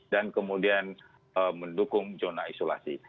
dan kemudian mendukung zona isolasi